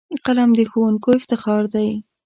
قلم د ښوونکیو افتخار دی